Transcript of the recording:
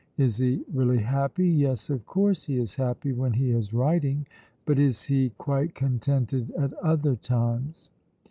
"Is he really happy? Yes, of course he is happy when he is writing; but is he quite contented at other times?